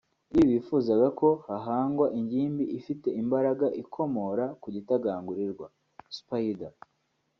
Lee wifuzaga ko hahangwa ingimbi ifite imbaraga ikomora ku gitagangurirwa (spider)